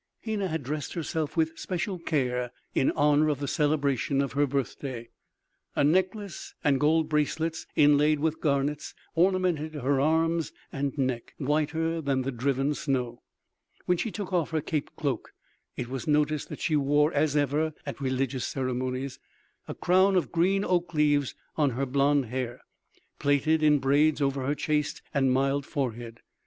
Hena had dressed herself with special care in honor of the celebration of her birthday. A necklace and gold bracelets inlaid with garnets ornamented her arms and neck, whiter than the driven snow. When she took off her caped cloak it was noticed that she wore, as ever at religious ceremonies, a crown of green oak leaves on her blonde hair, plaited in braids over her chaste and mild forehead.